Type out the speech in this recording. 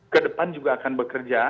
kedepan juga akan bekerja